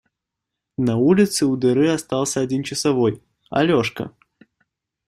На улице у дыры остался один часовой – Алешка.